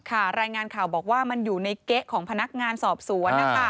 รายงานข่าวบอกว่ามันอยู่ในเก๊ะของพนักงานสอบสวนนะคะ